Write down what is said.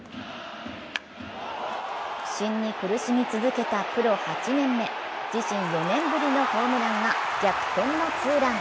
不振に苦しみ続けたプロ８年目、自身、４年ぶりのホームランが逆転のツーラン。